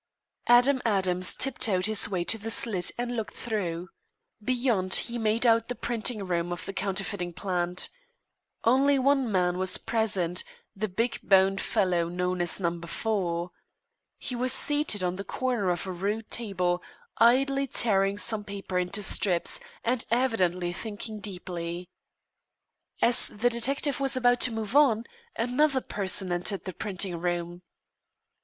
Adam Adams tiptoed his way to the slit and looked through. Beyond he made out the printing room of the counterfeiting plant. Only one man was present, the big boned fellow known as Number Four. He was seated on the corner of a rude table, idly tearing some paper into strips, and evidently thinking deeply. As the detective was about to move on, another person entered the printing room.